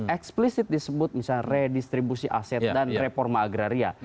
explicit disebut misalnya redistribusi aset dan reform agama